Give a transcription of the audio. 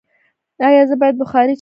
ایا زه باید بخاری چالانه پریږدم؟